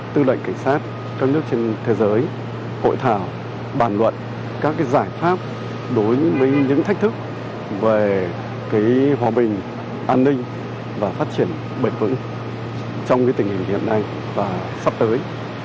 tư lệnh cảnh sát các nước trên thế giới hội thảo bàn luận các giải pháp đối với những thách thức về hòa bình an ninh và phát triển bền vững trong tình hình hiện nay và sắp tới